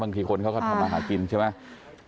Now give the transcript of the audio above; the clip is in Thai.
บางทีคนเขาก็ทำมาหากินจริงไหม